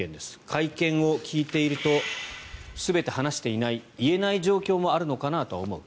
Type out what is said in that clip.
会見を聞いていると全て話していない言えない状況もあるのかなとは思う。